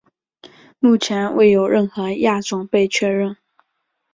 目前未有任何亚种被确认。